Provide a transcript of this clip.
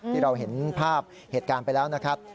ที่เราเห็นภาพเหตุการณ์ไปแล้วนะครับ